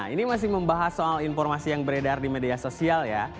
ini masih membahas soal informasi yang beredar di media sosial ya